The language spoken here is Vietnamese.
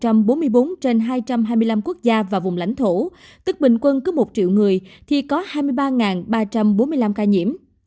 trong khi với tỷ lệ sớt ca nhiễm trên hai trăm hai mươi năm quốc gia và vùng lãnh thổ tức bình quân cứ một triệu người thì có hai mươi ba ba trăm bốn mươi năm ca nhiễm